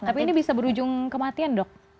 tapi ini bisa berujung kematian dok